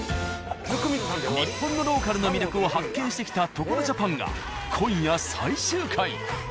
日本のローカルの魅力を発見してきた「所ＪＡＰＡＮ」が今夜最終回。